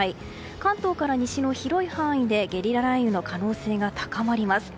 関東から西の広い範囲でゲリラ雷雨の可能性が高まります。